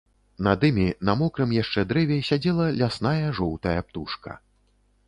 Над імі, на мокрым яшчэ дрэве, сядзела лясная жоўтая птушка.